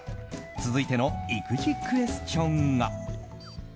続いての育児クエスチョンが。